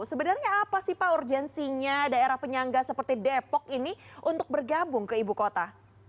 sebenarnya apa sih pak urgensinya daerah penyangga seperti depok ini untuk bergabung ke ibu kota